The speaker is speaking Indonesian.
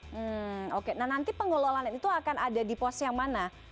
hmm oke nah nanti pengelolaan itu akan ada di pos yang mana